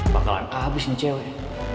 bangkalan kabus nih cewek